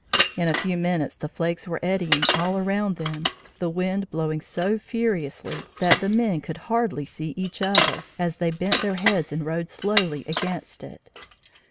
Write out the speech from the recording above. In a few minutes the flakes were eddying all around them, the wind blowing so furiously that the men could hardly see each other, as they bent their heads and rode slowly against it.